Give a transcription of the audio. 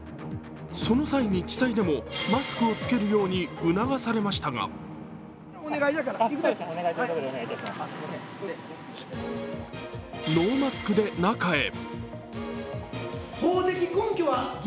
その際に地裁でもマスクを着けるように促されましたがノーマスクで中へ。